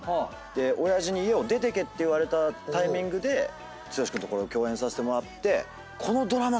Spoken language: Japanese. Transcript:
親父に家を出てけって言われたタイミングで剛君とこれを共演させてもらって。